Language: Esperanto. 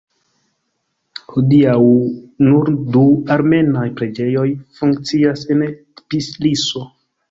Hodiaŭ nur du armenaj preĝejoj funkcias en Tbiliso.